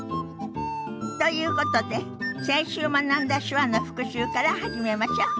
ということで先週学んだ手話の復習から始めましょう。